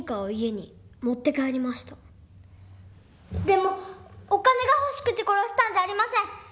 でもお金が欲しくて殺したんじゃありません！